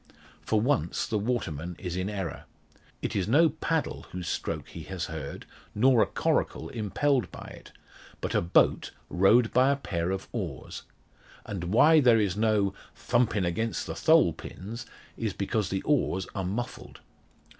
For once the waterman is in error. It is no paddle whose stroke he has heard, nor a coracle impelled by it; but a boat rowed by a pair of oars. And why there is no "thumpin' against the thole pins" is because the oars are muffled.